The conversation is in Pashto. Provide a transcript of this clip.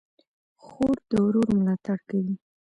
خور د ورور ملاتړ کوي.